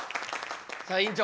さあ院長